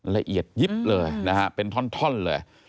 ละเอียดยิบเลยนะฮะเป็นท่อนเลย